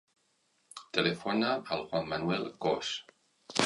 Telefona al Juan manuel Cos.